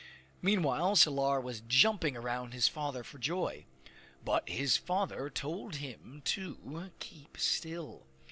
Meanwhile Salar was jumping around his father for joy. But his father told him to keep still.